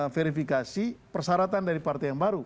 verifikasi persyaratan dari partai yang baru